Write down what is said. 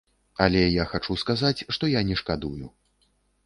Але я хачу сказаць, што я не шкадую.